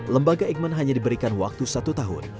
lembaga eijkman hanya diberikan waktu satu tahun